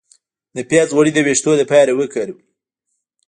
د پیاز غوړي د ویښتو لپاره وکاروئ